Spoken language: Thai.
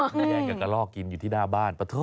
แม่แย่งกันกระลอกกินอยู่ที่หน้าบ้าน